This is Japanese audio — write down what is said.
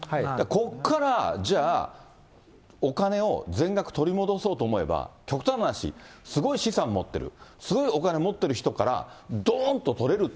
ここから、じゃあ、お金を全額取り戻そうと思えば、極端な話、すごい資産持ってる、すごいお金持ってる人から、どーんと取れる？